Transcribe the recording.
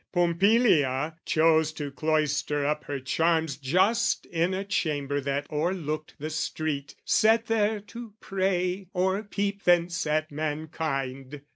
Pompilia chose to cloister up her charms Just in a chamber that o'erlooked the street, Sat there to pray, or peep thence at mankind.